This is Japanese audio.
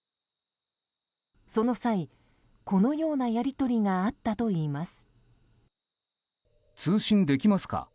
その際、このようなやり取りがあったといいます。